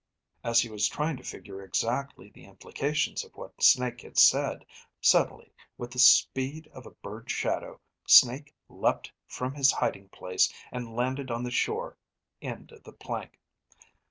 As he was trying to figure exactly the implications of what Snake had said, suddenly, with the speed of a bird's shadow, Snake leaped from his hiding place and landed on the shore end of the plank.